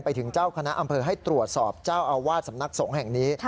ไปถึงเจ้าคณะอำเภอให้ตรวจสอบเจ้าอาวาสสำนักสงฆ์แห่งนี้